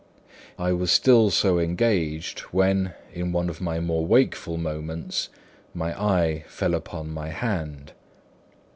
I was still so engaged when, in one of my more wakeful moments, my eyes fell upon my hand.